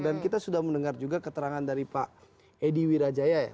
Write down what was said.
dan kita sudah mendengar juga keterangan dari pak edi wirajaya ya